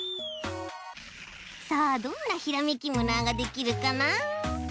さあどんなひらめきムナーができるかな？